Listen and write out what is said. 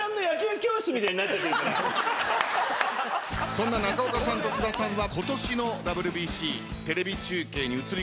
そんな中岡さんと津田さんは。